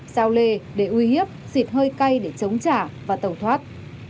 giao lê để uy hiếp xịt hơi cay để chống trả và tẩu thoát